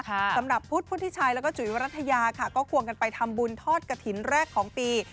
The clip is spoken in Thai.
สำหรับพุทธพุทธิชัยแล้วก็จุ๋ยวรัฐยาค่ะก็ควงกันไปทำบุญทอดกระถิ่นแรกของปี